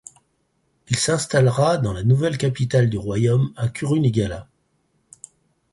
Il s'intallera dans la nouvelle capitale du royaume à Kurunegala.